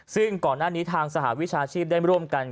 ซึ่งก่อนหน้านี้ทางสหวิชาชีพได้ร่วมกัน